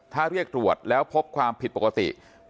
ถ้าเรียกตรวจแล้วพบความผิดปกติ